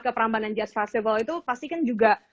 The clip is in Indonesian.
ke prambanan jazz festival itu pasti kan juga